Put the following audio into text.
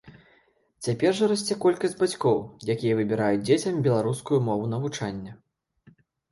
Цяпер жа расце колькасць бацькоў, якія выбіраюць дзецям беларускую мову навучання.